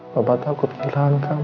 papa takut kehilangan kamu